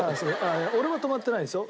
俺は止まってないですよ。